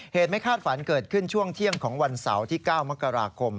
ไม่คาดฝันเกิดขึ้นช่วงเที่ยงของวันเสาร์ที่๙มกราคม